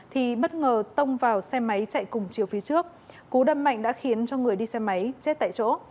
thì bất ngờ tông vào xe máy chạy cùng chiều phía trước cú đâm mạnh đã khiến cho người đi xe máy chết tại chỗ